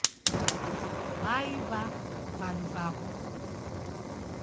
W'aiw'a vadu vapo.